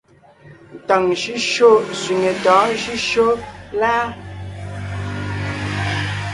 Ntàŋ shʉ́shyó sẅiŋe tɔ̌ɔn shʉ́shyó láa ?